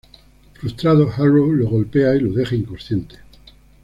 Frustrado, "Arrow" lo golpea y lo deja inconsciente.